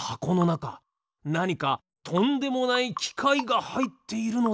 なにかとんでもないきかいがはいっているのでは？